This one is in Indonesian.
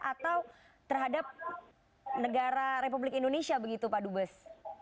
atau terhadap negara republik indonesia begitu pak dubes